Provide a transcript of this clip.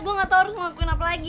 gua gatau harus ngelakuin apa lagi